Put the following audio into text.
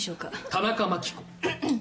「田中眞紀子」